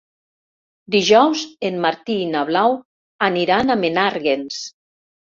Dijous en Martí i na Blau aniran a Menàrguens.